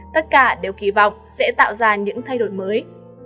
tất cả đều kỳ vọng sẽ tạo ra những thay đổi mới